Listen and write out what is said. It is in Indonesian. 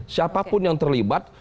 siapapun yang terlibat